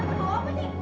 tante bawa apa sih